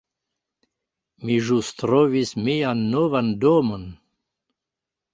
Mi ĵus trovis mian novan domon